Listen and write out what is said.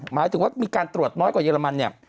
หมายถึงว่ามีการตรวจน้อยกว่าเยอรมันเนี่ย